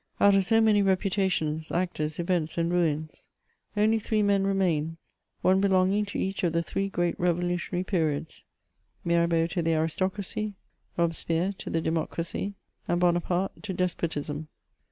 Out of so many reputations, actors, events, and ruins, only three men remain, one belonging to each of the three great revolutionary periods — Mirabeau to the aris tocracy, Robespierre to the democracy, and Bonaparte to des potism.